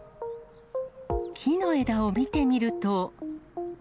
木の枝を見てみると。